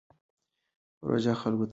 پروژه خلکو ته کار ورکړ.